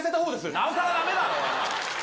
なおさらだめだろ。